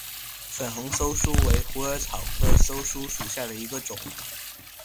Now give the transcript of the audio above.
粉红溲疏为虎耳草科溲疏属下的一个种。